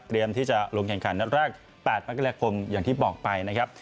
ที่จะลงแข่งขันนัดแรก๘มกราคมอย่างที่บอกไปนะครับ